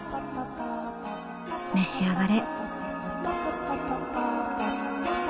召し上がれ。